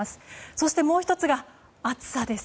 そして、もう１つが暑さです。